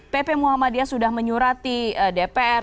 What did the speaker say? pp muhammadiyah sudah menyurati dpr